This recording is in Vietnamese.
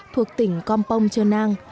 thuộc tỉnh compong trơn nang